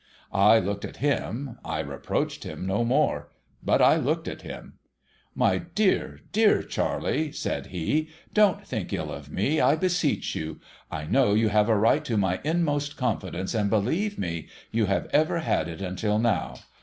I looked at him. I reproached him no more. But I looked at him. ' My dear, dear Charley,' said he, ' don't think ill of me, I beseech you ! I know you have a right to my utmost confidence, and, believe me, you have ever had it until now.